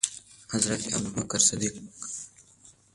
حضرت ابوبکر صدیق